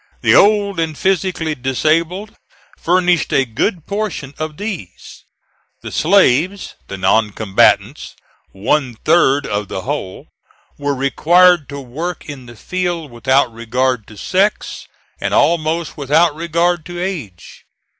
The old and physically disabled furnished a good portion of these. The slaves, the non combatants, one third of the whole, were required to work in the field without regard to sex, and almost without regard to age.